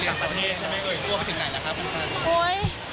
ปันปันที่นี่วาวไปถึงไหนล่ะครับคุณพ่อ